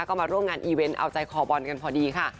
ก็มาร่วมงานอีเวนต์เอาใจคอบอลกันพอดีค่ะ